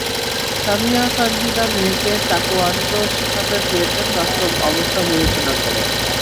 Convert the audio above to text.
সামিয়া সানজিদা মেয়েকে তায়কোয়ান্দো শিখতে দিয়েছেন বাস্তব অবস্থা বিবেচনা করে।